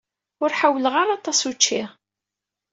Ur ḥawleɣ ara aṭas učči.